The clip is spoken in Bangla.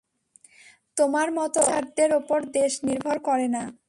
তোমার মতো অফিসারদের ওপর দেশ নির্ভর করে না।